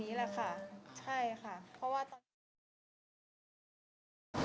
อืม